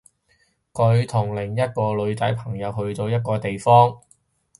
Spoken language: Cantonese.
佢同另一個女仔朋友去咗一個地方